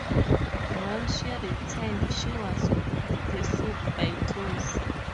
When she returned she was pursed up close.